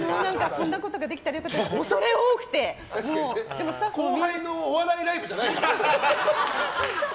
そんなことができたらよかったですけど後輩のお笑いライブじゃないから。